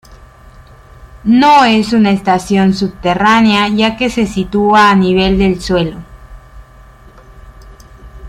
No es una estación subterránea ya que se sitúa a nivel del suelo.